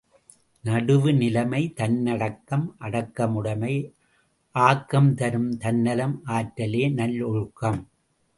நடுவு நிலைமை தன்னடக்கம் அடக்கமுடைமை ஆக்கம் தரும் தன்னலம் அற்றலே நல்லொழுக்கம்!